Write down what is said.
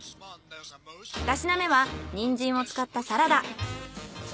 二品目はニンジンを使ったサラダ。